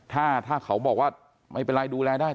ถ้าเขาบอกว่าไม่เป็นไรดูแลได้